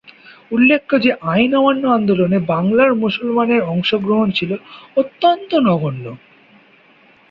উল্লেখ্য যে, আইন অমান্য আন্দোলনে বাংলার মুসলমানের অংশগ্রহণ ছিল অত্যন্ত নগণ্য।